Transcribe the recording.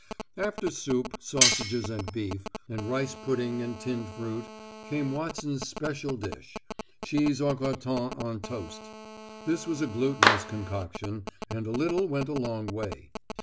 After soup, sausages and beef, and rice pudding and tinned fruit, came Watson's special dish cheese au gratin on toast. This was a glutinous concoction, and a little went a long way.